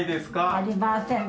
ありません。